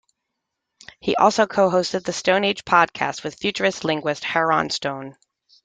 He also co-hosted the Stone Ape Podcast with futurist linguist Heron Stone.